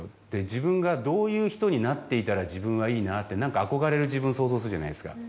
自分がどういう人になっていたら自分はいいなって何か憧れる自分想像するじゃないですか。